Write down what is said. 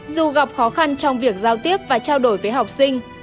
dù gặp khó khăn trong việc giao tiếp và trao đổi với học sinh